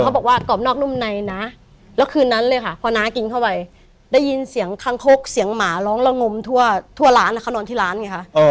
บอกว่ากรอบนอกนุ่มในนะแล้วคืนนั้นเลยค่ะพอน้ากินเข้าไปได้ยินเสียงคังคกเสียงหมาร้องละงมทั่วร้านเขานอนที่ร้านไงคะ